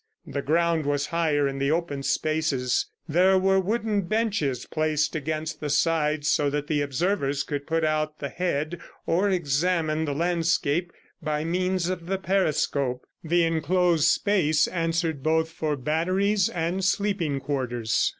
The ground was higher in the open spaces. There were wooden benches placed against the sides so that the observers could put out the head or examine the landscape by means of the periscope. The enclosed space answered both for batteries and sleeping quarters.